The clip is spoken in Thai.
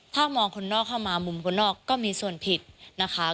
ถ้ามองคนนอกเข้ามามุมคนนอกก็มีส่วนผิดนะคะ